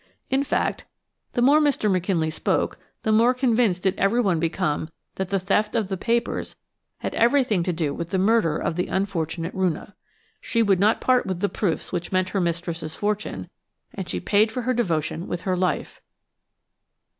In fact, the more Mr. McKinley spoke, the more convinced did everyone become that the theft of the papers had everything to do with the murder of the unfortunate Roonah. She would not part with the proofs which meant her mistress's fortune, and she paid for her devotion with her life.